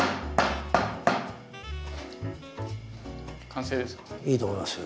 完成ですか？